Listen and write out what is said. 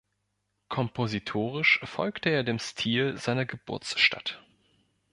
Kompositorisch folgte er dem Stil seiner Geburtsstadt.